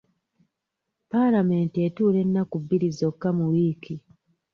Palamenti etuula ennaku bbiri zokka mu wiiki.